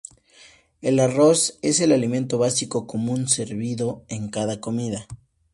El arroz es el alimento básico común, servido en cada comida.